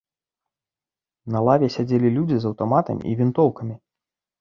На лаве сядзелі людзі з аўтаматамі і вінтоўкамі.